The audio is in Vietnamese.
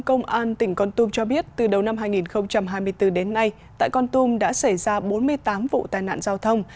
công an tỉnh con tum cho biết từ đầu năm hai nghìn hai mươi bốn đến nay tại con tum đã xảy ra bốn mươi tám vụ tai nạn giao thông